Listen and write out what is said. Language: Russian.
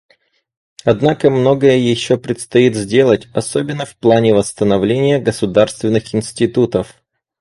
Однако многое еще предстоит сделать, особенно в плане восстановления государственных институтов.